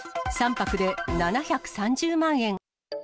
３泊で７３０万円。